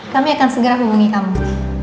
kami akan segera hubungi kami